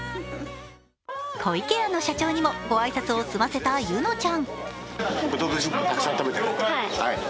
湖池屋の社長にも御挨拶を済ませた柚乃ちゃん。